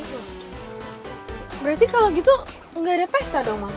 ya betul berarti kalau gitu nggak ada pesta dong mam